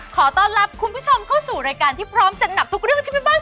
ขอต้อนรับคุณผู้ชมเข้าสู่รายการที่พร้อมจัดหนักทุกเรื่องที่แม่บ้าน